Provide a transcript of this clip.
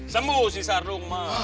semua sisa rumah